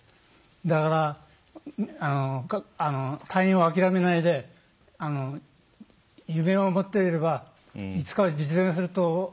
だから退院を諦めないで夢を持っていればいつかは実現すると思ってください。